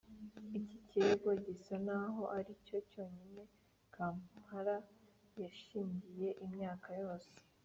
iki kirego gisa n’aho ari cyo cyonyine kampala yashingiyeho imyaka yose,